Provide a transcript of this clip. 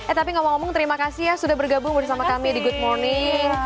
eh tapi ngomong ngomong terima kasih ya sudah bergabung bersama kami di good morning